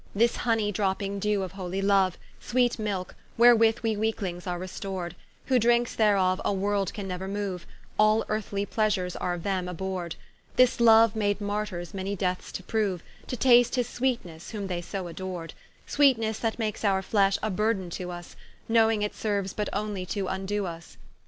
This hony dropping dew of holy loue, Sweet milke, wherewith we weaklings are restored, Who drinkes thereof, a world can neuer moue, All earthly pleasures are of them abhorred; This loue made Martyrs many deaths to proue, To taste his sweetnesse, whom they so adored: Sweetnesse that makes our flesh a burthen to vs, Knowing it serues but onely to vndoe vs.